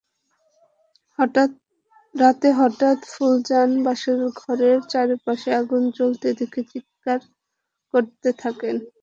রাতে হঠাৎ ফুলজান বসতঘরের চারপাশে আগুন জ্বলতে দেখে চিৎকার করতে থাকেন।